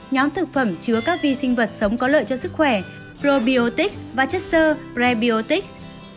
nhóm thực phẩm chứa các vi sinh vật sống có lợi cho sức khỏe probiotics và chất sơ prebiotics